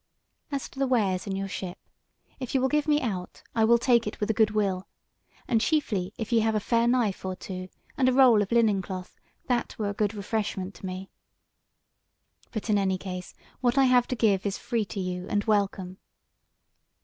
As to the wares in your ship, if ye will give me aught I will take it with a good will; and chiefly if ye have a fair knife or two and a roll of linen cloth, that were a good refreshment to me. But in any case what I have to give is free to you and welcome."